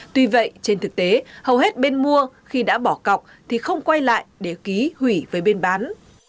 tuy vậy trên thực tế hầu hết bên mua khi đã bỏ cọc thì không quay lại để ký hủy với bên bán